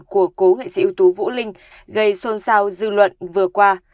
của cố nghệ sĩ ưu tú vũ linh gây xôn xao dư luận vừa qua